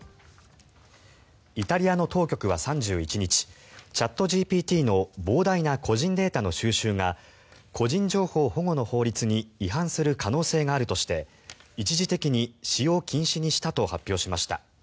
イタリアの当局は３１日チャットＧＰＴの膨大な個人データの収集が個人情報保護の法律に違反する可能性があるとして一時的に使用禁止にしたと発表しました。